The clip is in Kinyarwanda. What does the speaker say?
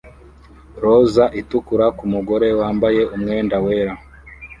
roza itukura kumugore wambaye umwenda wera